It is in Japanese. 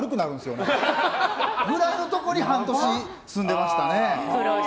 それくらいのところに半年、住んでましたね。